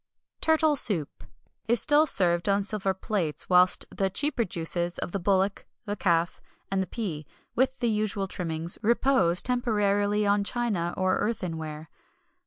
Turtle Soup is still served on silver plates, whilst the cheaper juices of the bullock, the calf, and the pea, "with the usual trimmings," repose temporarily on china or earthenware.